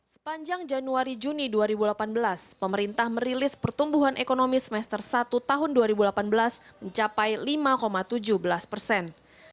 sepanjang januari juni dua ribu delapan belas pemerintah merilis pertumbuhan ekonomi semester satu tahun dua ribu delapan belas mencapai lima tujuh belas persen